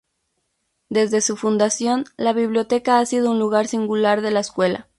Desde su fundación la Biblioteca ha sido un lugar singular de la Escuela.